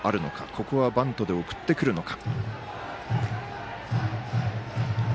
ここはバントで送ってくるのか。